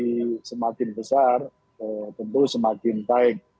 kalau semakin besar tentu semakin baik